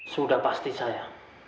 sudah pasti saya